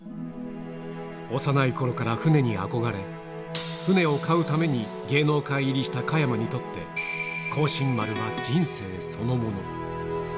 幼いころから船に憧れ、船を買うために芸能界入りした加山にとって、光進丸は人生そのもの。